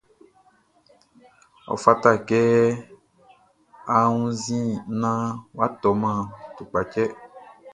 Ɔ fata kɛ a wunnzin naan wʼa tɔman tukpachtɛ.